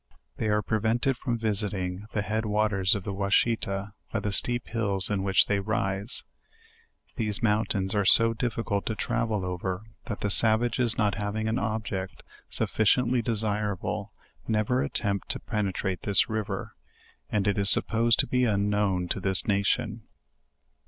They are prevented from visiting the head waters of the Washita by the steep hills in which they rise. These mountains are so difficult to travel over, that the savages not having an object sufficiently desirable , never attempt to penetrate to this river; and it is supposed to be unknown to this'netion.